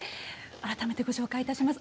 改めてご紹介いたします。